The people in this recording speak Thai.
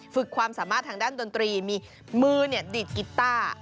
ฝึกความสามารถทางด้านดนตรีมีมือดีดกีต้า